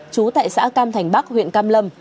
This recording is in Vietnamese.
chú tại xã cam thành bắc huyện cam lâm